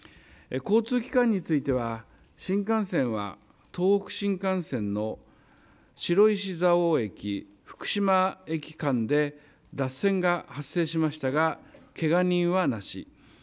交通機関については新幹線は東北新幹線の白石蔵王駅、福島駅間で脱線が発生しましたがけが人はなし。